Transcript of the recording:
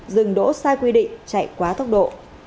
dừng đỗ sai quy định chạy quá tốc độ